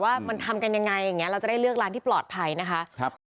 ว่ามันทำกันยังไงอย่างนี้เราจะได้เลือกร้านที่ปลอดภัยนะคะ